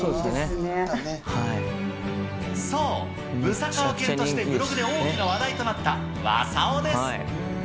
そう、ブサかわ犬としてブログで大きな話題となった、わさおです。